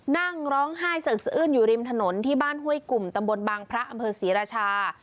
นั่งร้องไห้เสิร์กสะอื้นอยู่ริมถนนที่บ้านห้วยกลุ่มตำบลบางพระอำเภอศรีราชา